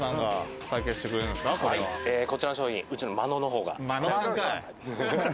こちらの商品、こちらの真野ののほうが。